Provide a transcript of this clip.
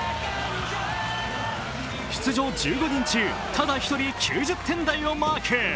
出場１５人中、ただ１人９０点台をマーク。